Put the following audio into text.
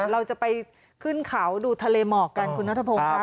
เราจะไปขึ้นเขาดูทะเลหมอกกันคุณนัทพงศ์ค่ะ